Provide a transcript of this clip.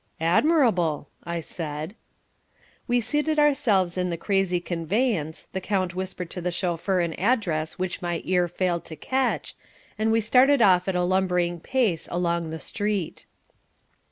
"Admirable," I said. We seated ourselves in the crazy conveyance, the count whispered to the chauffeur an address which my ear failed to catch and we started off at a lumbering pace along the street.